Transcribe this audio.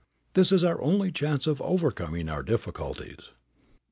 This is our only chance of overcoming our difficulties.